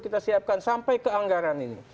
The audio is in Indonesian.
kita siapkan sampai ke anggaran ini